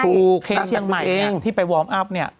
ผู้เค้งเชียงใหม่เนี่ยที่ไปวอร์มอัพเนี่ย